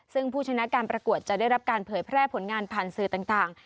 ซึ่งผู้ชนะการประกวดจะได้รับการเผยแพร่ผลงานผ่านสื่อต่าง